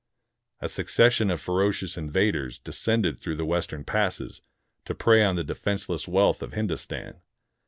A succession of ferocious invaders descended through the western passes, to prey on the defenseless wealth of Hindostan.